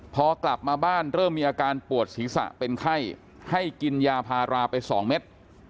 พอกลับมาบ้านเริ่มมีอาการปวดศีรษะเป็นไข้ให้กินยาพาราไป๒เม็ด